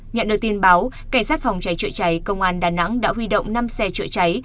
nhận được tin báo cảnh sát phòng cháy chữa cháy công an đà nẵng đã huy động năm xe chữa cháy